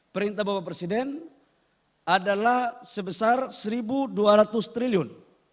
perintah bapak presiden adalah sebesar rp satu dua ratus triliun